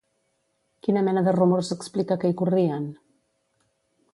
Quina mena de rumors explica que hi corrien?